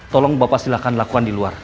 tolong bapak silahkan lakukan di luar